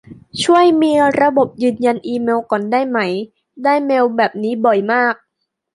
ช่วยมีระบบยืนยันอีเมลก่อนได้ไหม ได้เมลแบบนี้บ่อยมาก